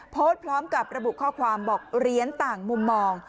โพสต์พร้อมกับระบุข้อความบอกเหรียญต่างมุมมอง